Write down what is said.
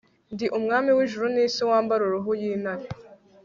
ndi umwami w'ijuru n'isi wambara uruhu y'intare